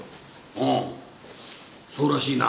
ああそうらしいな。